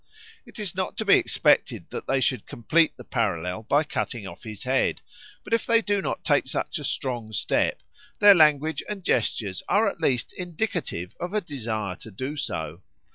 It is not to be expected that they should complete the parallel by cutting off his head; but if they do not take such a strong step, their language and gestures are at least indicative of a desire to do so.